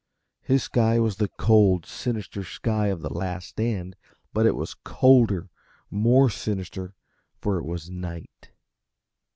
His sky was the cold, sinister sky of "The Last Stand" but it was colder, more sinister, for it was night.